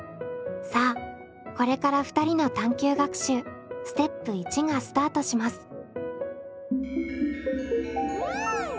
さあこれから２人の探究学習ステップ１がスタートします。